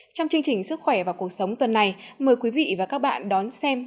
trong chương trình sức khỏe và cuộc sống tuần này mời quý vị và các bạn đón xem